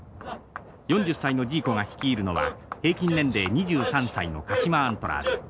４０歳のジーコが率いるのは平均年齢２３歳の鹿島アントラーズ。